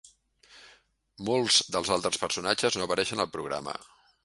Molts dels altres personatges no apareixen al programa.